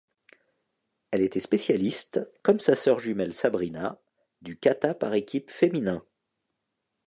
Elle était spécialiste, comme sa sœur jumelle Sabrina, du kata par équipe féminin.